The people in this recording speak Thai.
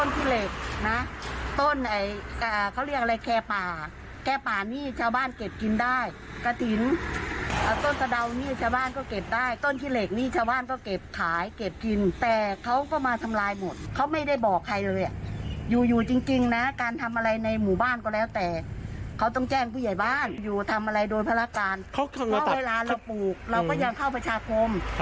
ทำอะไรโดนพระราชการเพราะเวลาเราปลูกเราก็ยังเข้าประชาคม